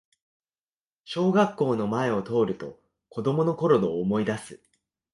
小学校の前を通ると子供のころを思いだす